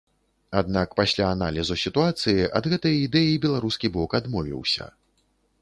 Аднак пасля аналізу сітуацыі ад гэтай ідэі беларускі бок адмовіўся.